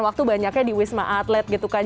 waktu banyaknya di wisma atlet gitu kan